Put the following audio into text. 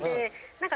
何か。